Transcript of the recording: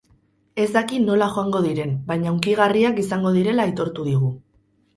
Ez daki nola joango diren, baina hunkigarriak izango direla aitortu digu.